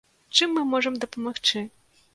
Чым мы можам дапамагчы?